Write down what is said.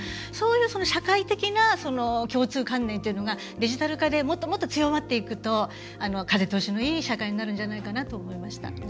そういう社会的な共通観念というのがデジタル化でもっともっと強まっていくと風通しのいい社会になるんじゃないかと思いました。